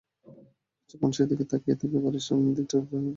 কিছুক্ষণ সেদিকে তাকিয়ে থেকে বাড়ির সামনের দিকটার জানালার পর্দা তোলেন তিনি।